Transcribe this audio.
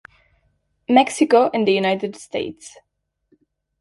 Mexico and the United States.